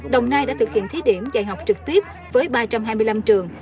đồng nai đã thực hiện thí điểm dạy học trực tiếp với ba trăm hai mươi năm trường